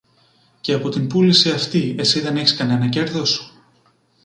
Και από την πούληση αυτή εσύ δεν είχες κανένα κέρδος;